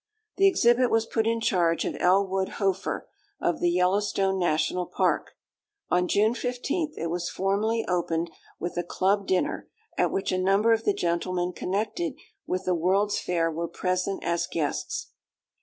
The exhibit was put in charge of Elwood Hofer, of the Yellowstone National Park. On June 15 it was formally opened with a club dinner, at which a number of the gentlemen connected with the World's Fair were present as guests.